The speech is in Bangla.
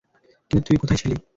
কিন্তু তুই কোথায় ছিলি?